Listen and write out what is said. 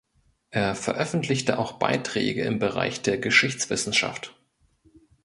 Er veröffentlichte auch Beiträge im Bereich der Geschichtswissenschaft.